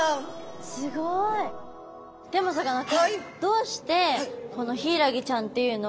でもさかなクンはい。